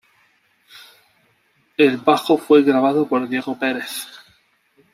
El bajo fue grabado por Diego Perez.